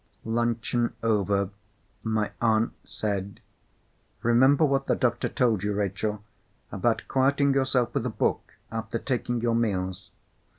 Luncheon over, my aunt said: "Remember what the doctor told you, Rachel, about quieting yourself with a book after taking your meals."